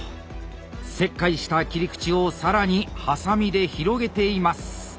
切開した切り口を更にハサミで広げています。